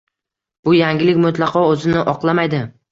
Bu yangilik mutlaqo o‘zini oqlamaydi.